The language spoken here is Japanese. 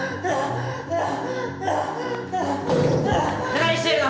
何してんの！